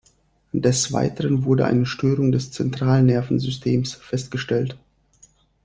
Des Weiteren wurde eine Störung des Zentralnervensystems festgestellt.